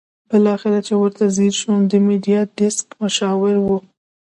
بالاخره چې ورته ځېر شوم د میډیا ډیسک مشاور وو.